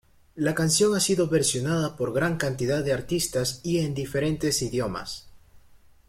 La canción ha sido versionada por gran cantidad de artistas y en diferentes idiomas.